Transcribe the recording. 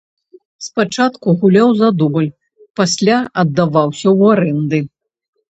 Спачатку гуляў за дубль, пасля аддаваўся ў арэнды.